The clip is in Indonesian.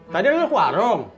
tadi lo ke warung